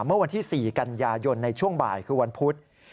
เมื่อวันที่๔กันยายนในช่วงบ่ายคือวันพุธ